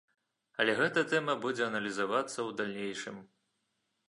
Але гэта тэма будзе аналізавацца ў далейшым.